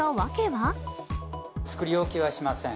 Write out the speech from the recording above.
作り置きはしません。